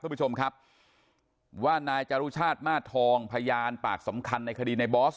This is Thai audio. คุณผู้ชมครับว่านายจรุชาติมาสทองพยานปากสำคัญในคดีในบอส